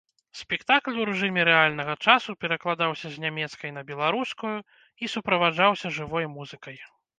Спектакль у рэжыме рэальнага часу перакладаўся з нямецкай на беларускую і суправаджаўся жывой музыкай.